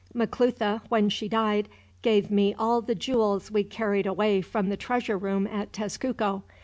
Maclutha, when she died, gave me all the jewels we carried away from the treasure room at Tezcuco.